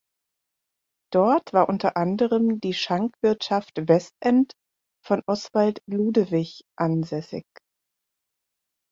Dort war unter anderem die „Schankwirtschaft Westend“ von Oswald Ludewig ansässig.